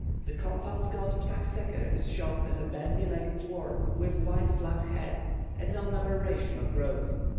The compound god Ptah Seker is shown as a bandy legged dwarf, with wide flat head, a known aberration of growth.